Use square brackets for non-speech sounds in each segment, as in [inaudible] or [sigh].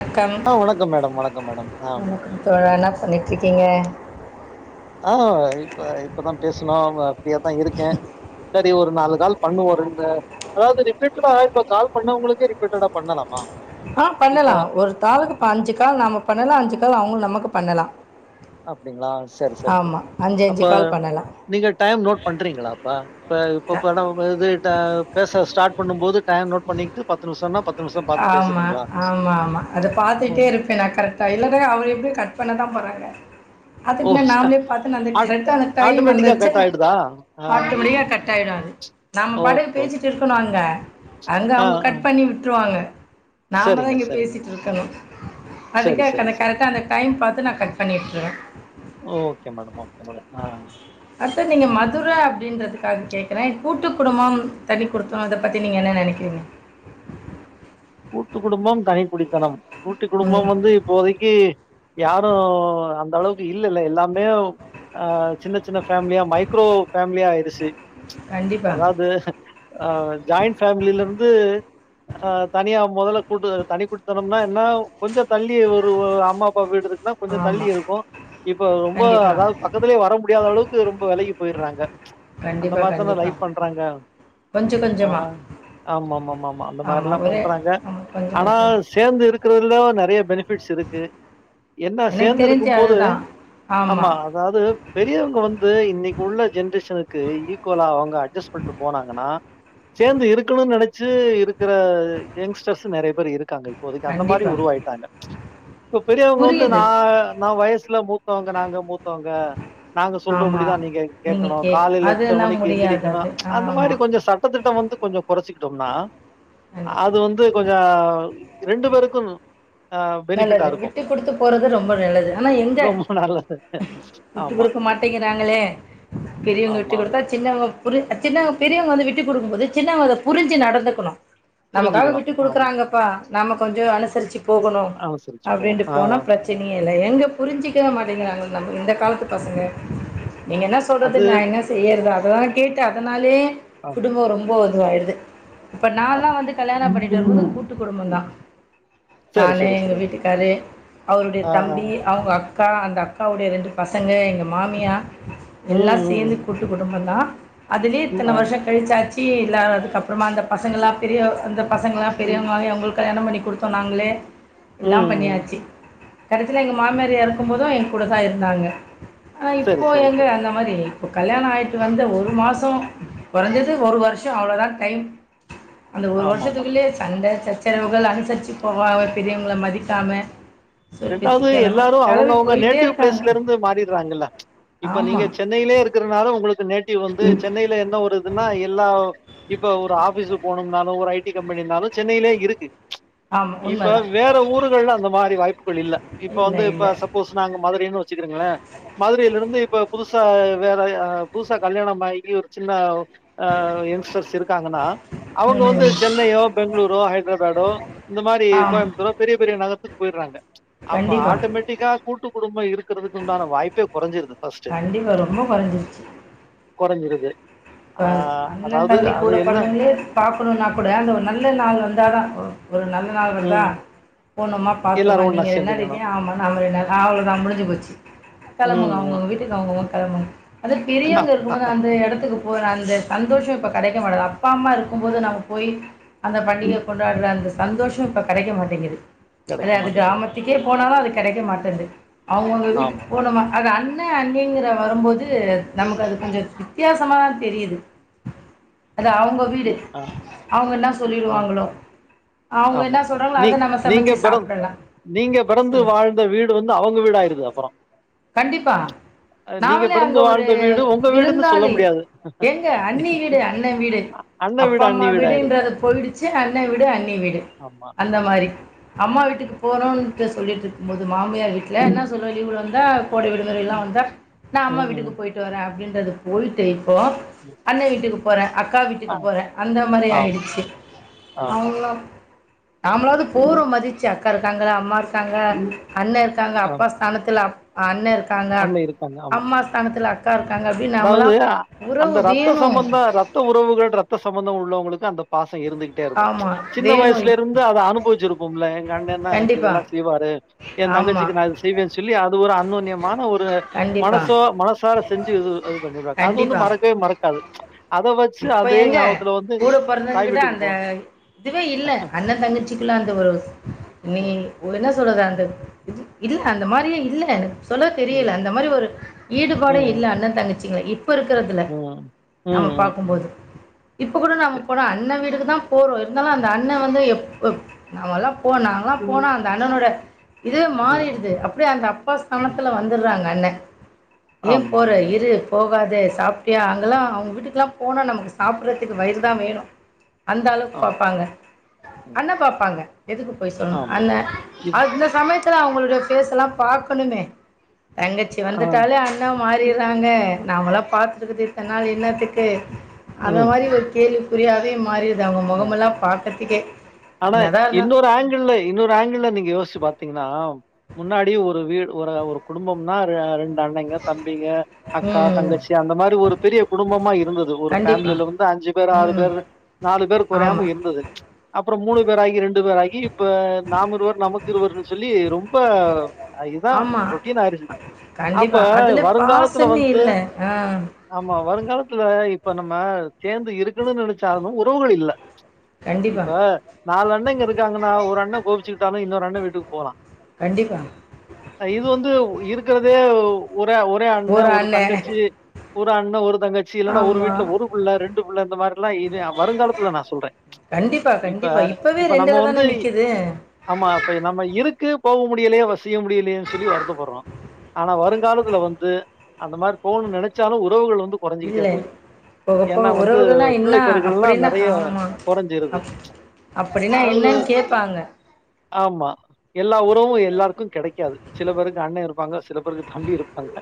வணக்கம் ஆ வணக்கம் மேடம் வணக்கம் மேடம் ஆம் வணக்கம் தோழா என்ன பண்ணிட்டு இருக்கீங்க ஆ இப்ப இப்பதா பேசுனோ அப்டியே தா இருக்கே சரி ஒரு நாலு கால் பண்ணுவோ ரெம்ப அதாவது ரிப்பீட்டடா இப்ப கால் பண்ணவங்களுக்கே ரிப்பீட்டடா பண்ணலாமா ஆ பண்ணலா இப்ப ஒரு தாளுக்கு அஞ்சு கால் நாம பண்ணலா அஞ்சு கால் அவங்க நமக்கு பண்ணலா அப்டிங்களா சரி சரி சரி அப்ப அஞ்சு கால் பண்ணலாம் நீங்க டைம் நோட் பண்றீங்களாப்பா இப்ப த- இப்ப நம் இது டா பேச ஸ்டார்ட் பண்ணும் போது டைம் நோட் பண்ணிக்கிட்டு பத்து நிமிஷம்னா பத்து நிமிஷம் பாத்து ஆமா, பேசுறீங்களா ஓ நா கரெக்டா இல்லனா அவர் எப்டியு கட் பண்ணதா போறாங்க ஓ அதுக்குன்ன நாம்ளே பத்து அந்த ஆட் கரெக்டா அந்த டைம் ஆட்டோமேட்டிக்கா வந்துச்சே கட் ஆயிடுதா ஆ ஆட்டோமெட்டிக்கா கட் ஆயிடு அது ஓகே நம்பபாட்க்கு ஓகே பேசிட்டு இருக்கணு அங்க அங்க ஆ அவங்க ஆ கட் பண்ணி விட்ருவாங்க நாமதா சரிங்க இங்கே சரிங்க பேசிட்டு இருக்கணு சரி அதுக்காக சரி அந்த சரி கரெக்டா அந்த டைம் பாத்து நா கட் பண்ணிவிட்ருவே ஓகே மேடம் ஓகே மேடம் ஆ ஆ சார் நீங்க மதுர அப்டின்றதுக்காக கேட்குறே கூட்டு குடும்பம் தனி குடுத்தணோ இத பத்தி நீங்க என்ன நெனைக்கிறீங்க கூட்டு குடும்பம் தனி குடித்தனம் கூட்டு ம். குடும்பம் வந்து இப்போதைக்கு யாரும் அந்த அளவுக்கு இல்லல்ல எல்லாம் யோ ஆ சின்ன சின்ன ஃபேமிலியா மைக்ரோ ஃபேமிலியா ஆயிருச்சி கண்டிப்பா. அதாவது ஆ ஜாயிண்ட் ஃபேமிலில இருந்து அ தனியா மொதல்ல கூட்டு வந்து தனி குடுத்தனம்னா என்னா கொஞ்சோ தள்ளி ஒரு அம்மா அப்பா வீடு இருக்குன்னா கொஞ்சோ தள்ளி ஆமா. இருக்கோ இப்ப ரொம்ப கண்டிப்பா. அதாவது பக்கத்துலேயே வர முடியாத அளவுக்கு ரொம்ப வெலகி போயிடுறாங்க அந்த கண்டிப்பா, மாரிதான கண்டிப்பா. லைஃப் பண்றாங்க கொஞ்சம் ஆ கொஞ்சமா. ஆமா ஆமா ஆமா அந்த மாரில்லா ஒரே பண்றாங்க ஆமா. கொஞ்சம் ஆனா கொஞ்சமா. சேந்து இருக்கருதுல நெறைய பெனிஃபிட்ஸ் இருக்கு என்ன எனக்கு சேந்து தெரிஞ்சு இருக்கும் போது அதுதான். ஆமா அதாவது பெரியவங்க வந்து இன்னைக்கு உள்ள ஜென்ரேஷனுக்கு ஈக்குவலா அவங்க அட்ஜஸ்ட் பண்ட்டு போனாங்கன்னா சேந்து இருக்கணுன்னு நெனைச்சு இருக்கிற யங்ஸ்டர்ஸ் நெறைய பேர் இருக்கு காங்க இப்போதைக்கு அந்த மாரி கண்டிப்பா. உருவாயிட்டாங்க இப்ப பெரியவங்க வந்து புரியுது. நா நா வயசுல மூத்த போங்க நாங்க மூத்தவங்க நாங்க ஆமா. சொல்றபடிதா நீங்க கேக்கனு கே காலைல இத்தன அதெல்லாம் மணிக்கி முடியாது எந்திரிக்கனு அது. அந்த மாரி ஆமா. கொஞ்சோ ச ட்ட திட்டோ வந்து கொஞ்சோ கொறச்சுக்ட்டோம்னா கண்டிப்பா. அது வந்து கொஞ்சோ ரெண்டு பேருக்கு ஆ நல்லது. பெனிஃபிட்டாருக்கு விட்டு குடுத்து போறது ரொம்ப நல்லது. ஆனா எங்க? ரொம்ப நல்லது விட்டு ஆமா, குடுக்க மாட்டேங்கிறாங்களே பெரியோங்க விட்டு ஆமா. குடுத்தா சின்னங்க புரி சின்னவங்க பெரியவங்க வந்து விட்டு குடுக்கும் போது சின்னவங்க அத புரிஞ்சு நடந்துக்கனு நமக்காக புரிஞ்சுக்கணு விட்டு ஆமா குடுக்குறாங்கப்பா நம்ம கொஞ்சோ அனுசரிச்சு போகனு அனுசரிச்சு போகணு அப்டின்ட்டு ஆ போனா பிரச் சனயேல்ல எங்க புரிஞ்சுக்கவே மாட்டேங்கிறாங்க நம் இந்த காலத்து பசங்க நீங்க என்ன சொல்றது அது நா என்ன செய்யற்து அதலா கேட்டு அதனாலே ஆமா குடும்போ ரொம்பொ இதுவாய்டுது இப்ப ஆமா நான்லா வந்து கல்யாணோ பண்ணிட்டு வரும்போது கூட்டு குடும்போந்தா சரி நானு சரி எங்க சரி வீட்டுக்காரு அவருடைய ஆ ஆ தம்பி ஆ. அவுங்க அக்கா அந்த அக்காவுடைய ரெண்டு பசங்க எங்க மாமியா ம் எல்லா ம் சேந்து ம் கூட்டு குடும்போந்தா அதுலே ஆ இத்தன வர்ஷோ கழிச்சாச்சி இல்ல அதுக்கப்றமா அந்த பசங்கள்லா பெரிய அந்த பசங்களா பெரியவங்களாயி அவுங்களுக் கல்யாணோ பண்ணி குடு த்தோ நாங்ளே எல்லா ம் ம் பண்ணியாச்சி கடைசில எங்க மாமியார் எறக்கும்போது என்கூட தாருந்தாங்க ஆ சரி இப்போ சரி எங்க சரிங்க அந்த மாரி இப்ப கல்யாணோ ஆய்ட்டு வந்த ஒரு மாசோ கொறஞ்சது ஒரு வர்ஷோ அவ்ளதா டைம் அந்த ஒரு ஆமாமா வர்ஷத்துக்குள்ளே சண்ட சச்ச சரவுகள் ‌அனுசரிச்சு போகாம பெரியோங்கள மதிக்காம சொல் பேச்சு ரெண்டாவ்து கேளாம எல்லாரு கிளம்பி அவுங்கவுங்க போயிட்டே நேட்டிவ் இருக்காங்க பிளேஸ்லருந்து மாறிராங்கள்ல இப்ப நீங்க ஆமாம் சென்னைலே இருக்றனால உங்களுக்கு நேட்டிவ் வந்து சென்னைல என்ன ஒரு இதுன்னா எல்லா இப்ப ஒரு ஆஃபிஸு போனும்னாலு ஒரு ஐ டி கம்பெனினாலு சென்னைலே இருக்கு ஆமாம் இப்ப உண்மைதான் வேற ஊருகள்ல அந்த மாரி வாய்ப்புகள் இல்ல இப்ப வந்து இல்லை இப்ப இல்லை சப் போஸ் நாங்க மதுரைன்னு வச்சுக்குருங்ளே மதுரைலெருந்து இப்ப புதுசா வேற புதுசா கல்யாணமாகி ஒரு சின்ன ஆ யங்ஸ்டர்ஸ் இருக்காங்கன்னா அவுங்க வந்து ம் சென்னையோ பெங்களூரோ ஹைட்ராபாடோ இந்த மாரி ஆமாம் கோயம்புத்தூரோ பெரிய பெரிய நகரத்துக்கு போயிட்றாங்க அப்ப கண்டிப்பாக ஆட்டோமேட்டிக்கா கூட்டு குடும்போ இருக்கறதுக்கு உண்டான வாய்ப்பே கொறஞ்சிருது ஃபர்ஸ்ட்டு கண்டிப்பாக ரொம்ப கொறஞ்சிருச்சி கொறஞ்சிடுது இப்ப அண்ணே தம்பி கூட என்ன பொறந்தவங்ளே பாக்கணுனா கூட அந்த ஒரு நல்ல நாள் வந்தாதா ஒரு நல்ல நாள்வருதா ம் போனோமா பாத்தோமா எல்லாரும் ஒன்னா நீங்க ரெண் நாள் சேந்துக்கணும் இருக்கியா ஆமா நாங்க ரெண் நாள் அவ்ளோதா முடிஞ்சு போச்சு கெளம்புங்க ம் அவுங்கவுங்க ம் வீட்டுக்கு அவுங்கவுங்க கெளம்புங் அந்த பெரியோங்க இருக்கும்போது அந்த எடத்துக்கு போற அந்த சந்தோஷோ இப்ப கெடைக்க மாட்டுது அப்பா அம்மா இருக்கும்போது நம்ம போயி அந்த பண்டிக கொண்டாட்ற அந்த சந்தோஷோ இப்ப கெடைக்க மாட்டேங்கிது அதா கிடைக்க அது மாட்டேங்குது கிராமத்துக்கே போனாலு அது கெடைக்க மாட்டேந்து அவுங்கவுங்க வீட்டுக்கு ஆமாங்க போனுமா அது அண்ணே அண்ணிங்கற வரம்போது நமக்கு அது கொஞ்சோ வித்தியாசமா தா தெரிது அது அவுங்க வீடு ஆ அவுங்க என்னா ஆ சொல்லிருவாங்ளோ அவுங்க ஆமா என்ன சொல்றாங்ளோ நீ அத நம்ம நீங்க சமச்சி சாப்டலா [inaudible] ந்த வீடு வந்து அவுங்க வீடு ஆய்ருது அப்பறோ கண்டிப்பா நாம்ளே அங்க பிறந்து ஒரு வாழ்ந்த வீடு உங்க வீடுன்னு சொல்ல விருந்தாளி முடியாது. எங்க அண்ணி வீடு அண்ணே வீடு அண்ணன் அப்பா வீடு அண்ணி அம்மா வீடாயிருக்கு. விடுன்றது போயிடுச்சி அண்ண வீடு அன்னி வீடு ஆமா, அந்த மாரி ஆமாமா. அம்மா வீட்டுக்கு போறோன்ட்டு சொல்லிட்ருக்கும் போது மாமியார் வீட்ல இன்னா சொல்லுவ லீவுவந்தா கோடை விடு முறைலா ம். வந்தா நா அம்மா ம், வீட்டுக்கு போயிட்டுவரே அப்டின்றது போயிட்டு இப்போ ம். அண்ணே வீட்டுக்கு போறே அக்கா ஆ, வீட்டுக்கு போறே அந்த மாரி ஆம், ஆயிடுச்சி ஆமா. அவுங்ளா நமளாவது போரோ மதிச்சி அக்கா இருக்காங்ளே அம்மா இருக்காங்க அண்ணே இருக்காங்க ஆம். அப்பாஸ் தானத்துல அப் அண்ணே இருக்காங்க அண்ணன் இருக்காங்க. ஆமா. அம்மா ஸ்தானத்துல அக்கா இருக்காங்க அப்டினு நம்மலா அதாவது அ- உறவு அந்த ரத்த வேணு சம்பந்தம், ரத்த உறவுகள் ரத்த சம்பந்த உள்ளவுங்ளுக்கு அந்த பாச இருந்துகிட்டே இருக்கு ஆமா சின்ன வேணும் வயசுலேருந்து அத அனுபவிச்சிருப்போம்ல எங்க அண்ணே தா எனக்கு கண்டிப்பா இதெல்லா செய்வாரு எ ஆமா தங்கச்சிக்கு நா இத செய்வேன் சொல்லி அது ஒரு அன்னோன்ய ஆனா ஒரு கண்டிப்பா மனசோ மனசார செஞ்சு இது இது பண்ணிருவ அது வந்து மறக்கவே மறக்காது அத வச்சு இப்ப அதே எங்க ஞாபகத்துல வந்து கூட பொறந்தவங்க தாய் கிட்ட வீட்டுக்கு அந்த இதுவே இல்ல அண்ண தங்கிச்சிக்குலா அந்த உறவு நீ போறோம். ஓ என்ன சொல்றது அந்த ம். இது இல்ல அந்த மாரியே இல்ல எனக் சொல்ல தெரியல புரியுது. அந்த மாரி ஒரு ஈடுபாடே ம். இல்ல அண்ண தங்கிச்சிங்ளே இப் ப இருக்கிறதுல்ல ம். ம். நம்ம பாக் ம். ம். இப்ப கூட நாம சரி. போன அண்ணே வீட்டுக்கு தா போறோ இருந்தாலு அந்த அண்ணே வந்து எப் எப் நம்மல்லா போண நால போண அந்த அண்ணனோட இதுவே ம். மாறிடுது அப்டியே அந்த அப்பா ம். ஸ்தானத்துல வந்துறாங்க அண்ண ஏ ஆமா, போற ஆமா. இரு போகாத சாப்பிட்டியா அங்கெல்லா அவங் வீட்டுக்கெல்லா போனா நமக்கு சாப்பிறதுக்கு வயிறு தா வேணு அந்த ஆமா. அளவுக்பாப்பாங்க ம். அண்ணே பாப்பாங்க எதுக்கு பொய் சொல்னோ ஆமா. அண்ணே இது அந்த சமயத்துல அவுங்களுடைய ஃபேசலா பாக்கணுமே தங்கச்சி ஆ. வந்துட்டாலே அண் ணா மாறிற்றாங்க நாம்மளா பாத்துக்குரது இத்தன் நாள் இன்னாத்துக்கு அந்த ம். மாரி ஒரு கேள்விக்குரியாவே மாறியிது அவுங்க ரைட். மொகமெல்லா பாக்கறதுக்கே ஆனா இன்னதா இருந்தா [unintelligible] இன்னொரு ஆங்கிள்ல நீங்க யோசிச்சு பாத்தீங்னா முன்னாடி ஒரு வீ ஒரு ஒரு குடும்பம்னா ரெ ரெண் அண்ணங்க தம்பிங்க ம். அக்கா ம். தங்கச்சி அந்த மாரி ஒரு பெரிய குடும்பமா இருந்தது ஒரு கண்டிப்பா. ஃபேமிலில வந்து அஞ்சு பேர் ஆறு ம். பேரு நாலு பேரு கொறையாம ஆமா. இருந்தது அப்றோ மூணு பேர் ஆகி ரெண்டு பேர் ஆகி இப்ப நாம இருவர் நமக்கு இருவர்னு சொல்லி ரொம்ப அ இதா ஆமா. ரொட்டீன் ஆயிருச்சு அப்ப கண்டிப்பா. அதுல வருங்காலத்துல பாசமே வந்து இல்ல. ஆ. ஆமா வருங்காலத்துல இப்ப நம்ம சேந்து இருக்கணும்னு நெனச்சாலும் உறவுகள் இல்ல கண்டிப்பா, இப்ப நாலு அண்ணங்க இருக்காங்கனா ஒரு அண்ண கோவிச்சுக்கிட்டாலு இன்னொரு அண்ண வீட்டுக்கு போலா கண்டிப்பாங் இது வந்து இருக்கிறதே ஒரே ஒரே அண்ண ஒரு தங்கச்சி ஒரு அண்ண ஒரு தங்கச்சி இல்லனா ஒரு ஆமா. வீட்ல ஒரு புள்ள ரெண்டு புள்ள இந்த மாரிலா இது வருங்காலத்துல நா சொல்ற கண்டிப்பா, இப்ப கண்டிப்பா. இப்பவே இப்ப நம்ம தானே வந்து நிக்குது. இ ஆமா அப்ப நம்ம இருக்கு போக முடியலையா வசிய முடியலையன்னு சொல்லி வருத்தப்படுறோ ஆனா வருங்காலத்துல வந்து அந்த மாரி போணும்னு நினைச்சாலு உறவுகள் வந்து குறஞ்சிகிட்டே இல்ல. போது போக, ஏனா போக வந்து உறவுகள்னா என்ன? பிள்ளை பெரு ப்ல அப்டின்னா நெறைய ஆமா. குறைஞ்சிருது அப் அப்டின்னா அது என்னன்னு கேட்பாங்க. ஆமா எல்லா உறவு எல்லாருக்கு கிடைக்காது சில பேருக்கு அண்ணே இருப்பாங்க சில பேருக்கு தம்பி இருப்பாங்க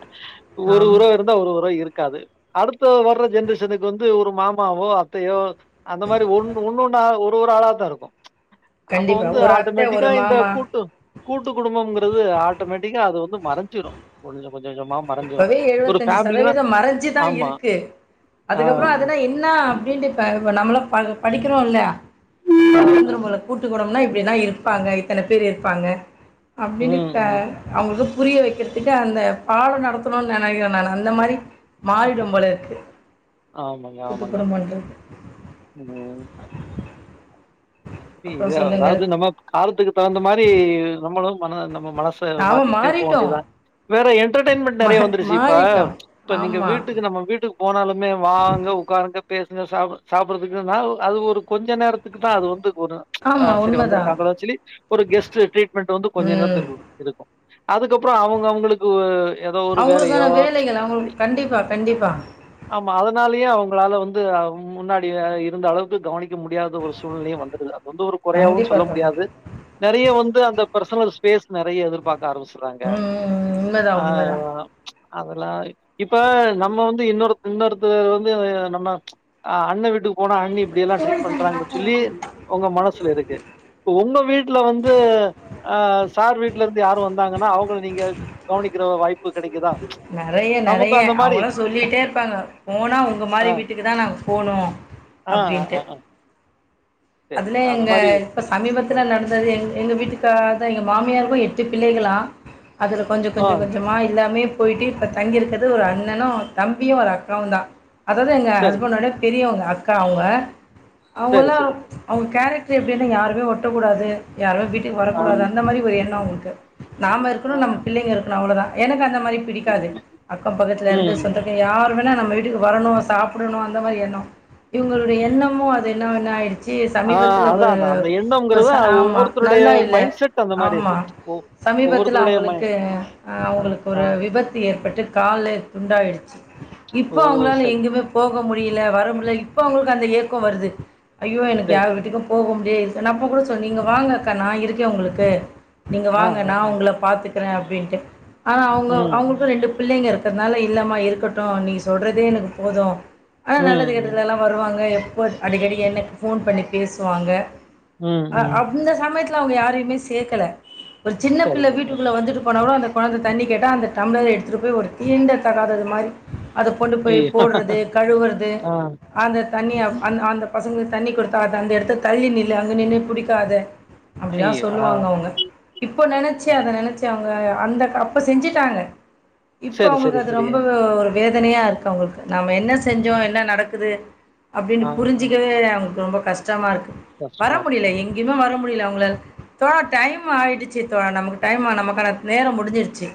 ஒரு ஆமா. உறவு இருந்தா ஒரு உற இருக்காது அடுத்த வர்ற ஜென்ரேஷனுக்கு வந்து ஒரு மாமாவோ அத் த்தையோ அந்த மாரி ஒன்னு ஒன்னுன்னா ஒரு ஒரு ஆளா தா இருக்கு அப்போ கண்டிப்பா. வந்து ஒரு அத்தை, ஒரு ஆட்டோமேட்டிக்கா இந்த மாமா. கூட்டு கூட்டு குடும்பங்கிறது ஆட்டோமேட்டிக்கா அது வந்து மறைஞ்சிடு கொஞ்ச கொஞ்ச கொஞ்சமா மறைஞ்சிரும். இப்பவே ஒரு எழுவத்தஞ்சு ஃபேமிலினா சதவீத மறைஞ்சுதா ஆமா. இருக்கு ஆ, அதுக்கப்புற அதுனா என் னா அப்டின்ட்டு இப்ப நம்மளா ப படிக்கிறோ இல்ல ஆ, அதுல ஆ. வந்துரு போல கூட்டுக் குடும்பம்னா இப்டி தா இருப்பாங்க இத்தன பேர் இருப்பாங்க அப்டின்னு ம், ம். அவங்களுக்கு புரிய வக்கிறதுக்கு அந்த பாடோ நடத்தணுன்னு நெனைக்கிறே நானு அந்த மாரி மாறிடும் போல இருக்கு கூட்டுக் குடும்பன்றது உ தி அப்புறம் எதா சொல்லுங்கள் அதாவது நம்ம காலத்துக்கு தகுந்த மாரி நம்மளு மன நம்ம மனசு ச நாம மாத்திக்கிட்டே போ வேண்டியது மாறிட்டோம் தா வேற என்டர்டெய்ன்மெண்ட் மா நறைய வந்துருச்சு இப்ப மாறிட்டோம் இப்ப நீங்க ஆமா வீட்டுக்கு நம்ம வீட்டுக்கு போனாலுமே வாங்க உக்காருங்க பேசுங்க சாப்புற சாப்புறத்துக்குன்னா அது ஒரு கொஞ்ச நேரத்துக்கு அப்ப அது வந்து ஒரு ஆ ஆமா சரி உண்மைதான் வந்துருக்காங்களோனு சொல்லி ஒரு கெஸ்ட்டு ட்ரிட் பண்றது வந்து கொஞ்ச ம் நேரத்துக்கு இருக்கு இருக்கு அதுக்கப்புறோ அவுங்க அவுங்களுக் கு ஏதோ ஒரு வேலை அவங்களுக்கான யோகா வேலைகள் அவங்களுக்கு கண்டிப்பா கண்டிப்பா ஆமா அதனாலயே அவங்களால வந்து முன்னாடி இருந்த அளவுக்கு கவனிக்க முடியாத ஒரு சு சூழ்நிலையு வந்துருது அது வந்து ஒரு கொறையாகவு கண்டிப்பா சொல்ல தோணும் முடியாது நறைய வந்து அந்த ஃபர்சனல ஸ்பேஸ் நறைய எதிர்பாக்க ஆரம்பிச்சிர்றாங்க ம் ம், ம், உண்மைதான் ஆ உண்மைதான் அதெல்லா இப்ப நம்ம வந்து இன்னொரு இன்னொருத்த வந்து நம்ம ஆ அண்ண வீட்டுக்கு போனா அண்ணி இப்டி எல்லா தோழி ட்ரீட் தானே பண்றாங்கன்னு சொல்லி பார்த்தாலும் உங்க மனசுல இருக்கு இப்ப உங்க வீட்ல வந்து ஆ சார் வீடல இருந்து யாரு வந்தாங்கன்னா அவங்களு நீங்க கவனிக்கிற வாய்ப்பு கெடைக்குதா நறைய நமக்கு நறைய அந்த மாரி அவங்கள்லா சொல்லிட்டே இருப்பாங்க போனா உங்க மாரி ஆ வீட்டுக் குதா நாங்க போனு ஆ அ அ அதுல எங்க இப்ப சமீபத்துல நட அதாவது எங் எங்க வீட்டுக்கார் தா எங்க மாமியாருக்கு எட்டு பிள்ளைகளா அதுல கொஞ்ச ஆ கொஞ்ச கொஞ்சமா எல்லாமே போயிட்டு இப்ப தங்கிருக்கறது ஒரு அண்ணனு தம்பியு ஒரு அக்காவுந்தா அதாது எங்க சரி ஹஸ்பண்டோடைய பெரியவங்க அக்கா அவுங்க சரி அவுங்கள்லா சரி அவுங்க கேரட்ரு எப்டின்னா யாருமே ஒட்டக்கூடாது யாரு வீட்டுக்கு ஆ வரக்கூடாது அந்த மாரி ஒரு எண்ண அவுங்களுக்கு நாம இருக்கணு நம்ம பிள்ளைங்க இருக்கணு அவ்வளவுதா எனக்கு அந்த மாரி பிடிக்காது அக்கம் பக்கத்துல இருந்து ம் சொந்த பந்தங்க யார் வேணா நம்ம வீட்டுக்கு வரணு சாப்புடணு அந்த மாரி எண்ண இவுங்களுடைய எண்ணமு அது என்ன வேன ஆயிடு ஜி ஆ சமீபத்துல அதான், ஒரு அதான். அந்த ஒரு எண்ணம்ங்கிறது சா அது ஆமா ஒவ்வொருத்தருடைய நல்லா இல்ல மைண்ட் செட் அந்த மாரி ஆமா இருக்கு. ஒ சமீபத்துல ஒவ்வொருத்தருடைய ம அவுங்களுக்கு ஆ அவுங்களுக்கு ஒரு விபத் து ஏற்பட்டு கால்லே துண்டாயிடுச்சு ஓ! இப்போ அவுங்களால சரி, எங்கியுமே போக முடியல வர முடியல இப்போ அவுங்களுக்கு அந்த ஏக்க வருது ஐயோ எனக்கு சரி, யார் சரி. வீட்டுக்கும் போக முடியாது நா அப்போ கூட சொன்ன நீங்க வாங்கக்கா நா இருக்கே உங்களுக்கு நீங்க ஆ, வாங்க ஆ, நா ஆ. உங்கள பாத்துக்கறே அப்டின்ட்டு ஆனா அவுங்க ம், அவுங்களுக்கு ரெண்டு பிள்ளைங்க இருக் கறதுனால இல்லமா இருக்கட்டு நீ சொல்றதே எனக்கு போது ஆனா நல்லது ம், ம், கெட்டதுல்லா வருவாங்க எப்போ அடிக்கடி எனக்கு ஃபோன் பண்ணி பேசுவாங்க ம், ஆ ம். அப் இந்த சமயத்துல அவுங்க யாரையுமே சேக்கல ஒரு சின்ன பிள்ள சரிங்க சார். வீட்டுக்குள்ள வந்துட்டு போனா கூட அந்த கொழந்த தண்ணி கேட்டா அந்த டம்ளர எடுத்துட்டு போய் ஒரு தீண்ட தகாதது மாரி அத கொண்டு போய் ஐயோ! போட்றது கழுவுறது ஆ, அந்த தண்ணி அந்த அந்த பசங்க தண்ணி கொடுத்தா அது அந்த எடத்த தள்ளி நில்லு அங்க நின்னு புடிக்காத அப்டிலா ஐயோ! ஆ, சொல்லுவாங்க அவுங்க இப்போ நெனச்சு ஆ. அத நெனச்சு ட்டு அவுங்க அந்த அப்ப செஞ்சிட்டாங்க இப்ப சரி, சரி, அவுங்களுக்கு அது சரி. ரொம்ப ஒரு வேதனயா இருக்கு அவுங்களுக்கு நாம என்ன செஞ்சோ என்ன நடக்குது அப்டின்னு ஆ, ஆ. புரிஞ்சிக்கவே அவுங் ரொம்ப கஷ்டமா இருக்கு வர கஷ்டமா இருக்கு. முடில ஆ. எங்கேயுமே வர முடில அவ்ங்களாள தோழா டைம் ஆயிடுச்சு தோழா நமக்கு டைம் நமக்கான நேரோ முடிஞ்சிருச்சு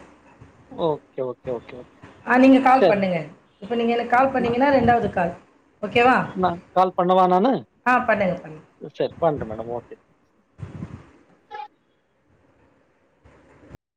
ஓகே ஓகே ஓகே, ஓகே. ஆ நீங்க கால் சரி. பண்ணுங்க இப்ப நீங்க எனக்கு கால் பண்ணீங்கன்னா ரெண்டாவது கால் ஓகேவா ந கால் பண்ணவா நானு ஆ பண்ணுங்க பண் செரி பண்ற மேடம் ஓகே